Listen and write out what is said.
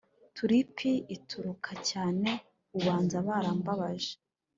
tulipi itukura cyane ubanza, barambabaje.